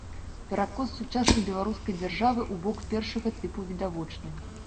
Перакос сучаснай беларускай дзяржавы ў бок першага тыпу відавочны.